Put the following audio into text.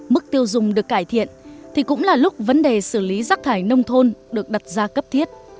mức tiêu dùng được cải thiện thì cũng là lúc vấn đề xử lý rác thải nông thôn được đặt ra cấp thiết